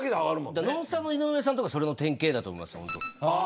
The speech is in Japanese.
ノンスタの井上さんとかそれの典型だと思います。